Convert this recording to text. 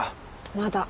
まだ。